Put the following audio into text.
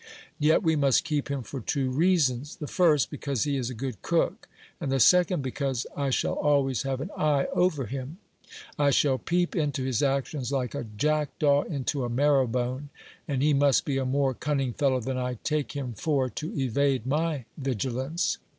Yet we 356 GIL BLAS. must keep ftim for two reasons : the first, because he is a good cook ; and the second, because I shall always have an eye over him; I shall peep into his actions like a jackdaw into a marrow bone, and he must be a more cunning fellow than I take him for, to evade my vigilance.